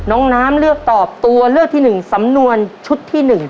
น้องน้ำเลือกตอบตัวเลือกที่๑สำนวนชุดที่๑